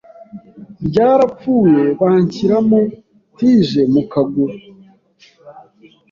ryarapfuye banshyiramo tige mu kuguru